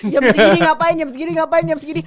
jam segini ngapain jam segini ngapain jam segini